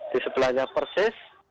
di sebelahnya persis